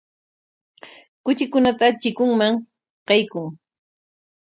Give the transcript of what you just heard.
Kuchikunata chikunman qaykun.